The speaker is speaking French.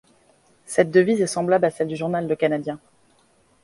Cette devise est semblable à celle du journal Le Canadien.